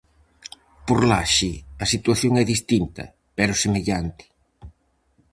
Por Laxe a situación é distinta, pero semellante.